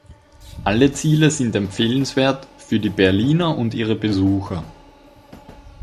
Alle Ziele sind empfehlenswert für die Berliner und ihre Besucher.